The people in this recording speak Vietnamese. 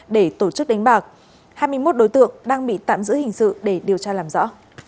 để tổ chức đánh bạc hai mươi một đối tượng đang bị tạm giữ hình sự để điều tra làm rõ